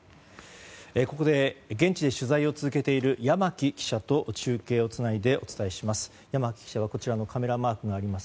ここで現地で取材を続けている山木記者と中継をつないでお伝えします。